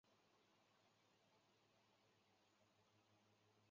另一种理解这件事的方法是考虑在界面上波长的改变。